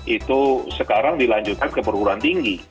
itu sekarang dilanjutkan ke perguruan tinggi